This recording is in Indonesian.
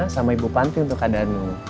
sama ibu panti untuk keadaan